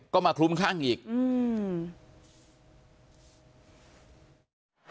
ก็มาคลุมคลั่งอีกอืม